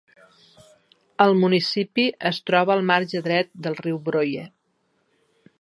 El municipi es troba al marge dret del riu Broye.